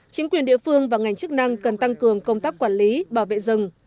chính quyền địa phương và ngành chức năng cần tăng cường công tác quản lý bảo vệ rừng